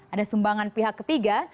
ada sumbangan pihak ketiga